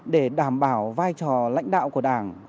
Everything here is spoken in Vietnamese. để đảm bảo vai trò lãnh đạo của đảng